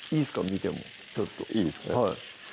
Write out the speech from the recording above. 見てもちょっといいですか？